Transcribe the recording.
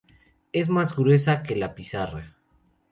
Es más gruesa que la pizarra.